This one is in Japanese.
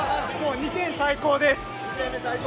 ２点最高です。